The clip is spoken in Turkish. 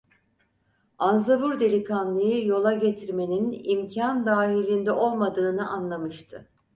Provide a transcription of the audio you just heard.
Anzavur delikanlıyı yola getirmenin imkân dahiliğinde olmadığını anlamıştı.